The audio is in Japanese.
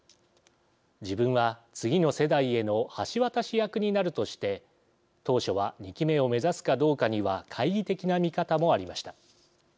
自分は次の世代への橋渡し役になるとして当初は２期目を目指すかどうかには懐疑的な見方もありました。